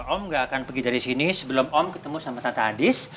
om gak akan pergi dari sini sebelum om ketemu sama tata hadis